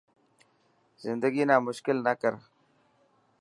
زندگي نا موشڪل نه ڪر.